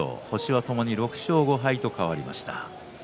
星はともに６勝５敗と変わりました。